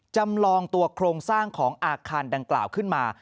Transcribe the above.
จำลองตัวโครงสร้างของอาคารดังกล่าวขึ้นมา